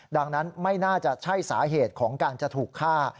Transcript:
ดังนั้นไม่น่าจะใช่สาเหตุของการจะถูกฆ่า